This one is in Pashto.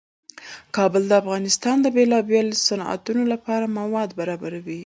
کابل د افغانستان د بیلابیلو صنعتونو لپاره مواد برابروي.